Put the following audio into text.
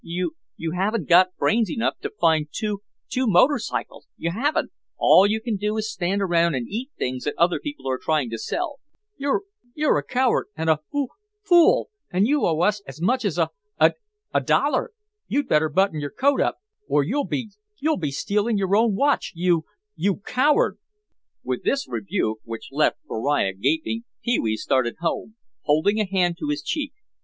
"You—you—haven't got brains enough to find two—two —motorcycles—you haven't—all you can do is stand around and eat things that other people are trying to sell! You're a coward and a—a fool—and you owe us as much as—a—a dollar. You'd better button your coat up or you'll—you'll be stealing your own watch—you—you coward!" With this rebuke, which left Beriah gaping, Pee wee started home, holding a hand to his cheek.